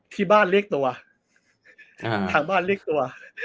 ที่บ้านเรียกตัวทางบ้านเรียกตัว